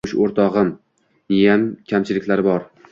Turmush o'rtog\imniyam kamchiliklari bor.